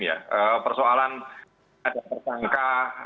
jadi persoalan ada tersangka